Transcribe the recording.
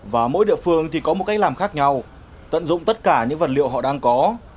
và mỗi địa phương thì có một cách làm khác nhau tận dụng tất cả những vật liệu họ đang có